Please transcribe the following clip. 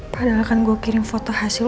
padahal kan gue kirim foto hasil